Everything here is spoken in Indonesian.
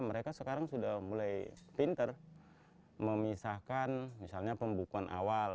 mereka sekarang sudah mulai pinter memisahkan misalnya pembukuan awal